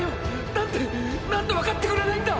何で⁉何でわかってくれないんだ